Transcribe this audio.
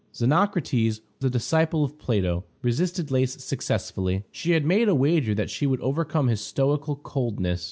Xenocrates, the disciple of Plato, resisted Lais successfully. She had made a wager that she would overcome his stoical coldness.